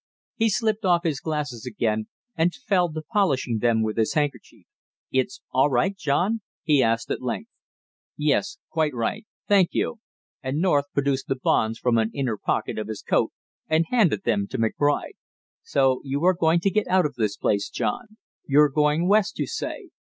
He slipped off his glasses again and fell to polishing them with his handkerchief. "It's all right, John?" he asked at length. "Yes, quite right, thank you." And North produced the bonds from an inner pocket of his coat and handed them to McBride. "So you are going to get out of this place, John? You're going West, you say.